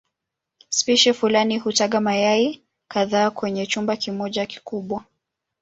Spishi fulani hutaga mayai kadhaa kwenye chumba kimoja kikubwa.